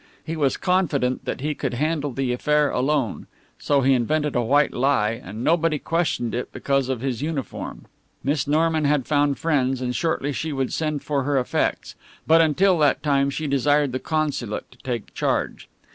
He was confident that he could handle the affair alone. So he invented a white lie, and nobody questioned it because of his uniform. Miss Norman had found friends, and shortly she would send for her effects; but until that time she desired the consulate to take charge.